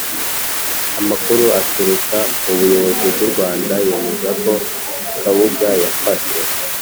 Amakuru aturuka mu buyobozi bw u Rwanda yemeza ko kabuga yafashwe